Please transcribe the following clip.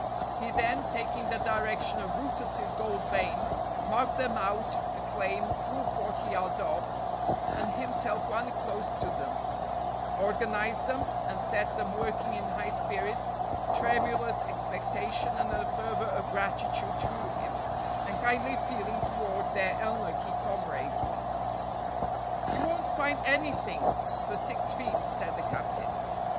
He then, taking the direction of brutus's gold vein, marked them out a claim full forty yards off, and himself one close to them; organized them, and set them working in high spirits, tremulous expectation, and a fervor of gratitude to him, and kindly feeling toward their unlucky comrades. "You won't find anything for six feet," said the captain.